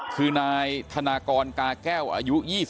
คือนายธนากรกาแก้วอายุ๒๒